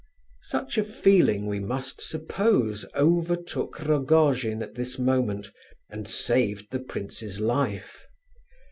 Such a feeling, we must suppose, overtook Rogojin at this moment, and saved the prince's life.